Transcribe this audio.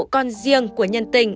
con riêng của nhân tình